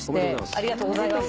おめでとうございます。